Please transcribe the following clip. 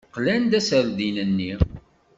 Qlan-d aserdin-nni.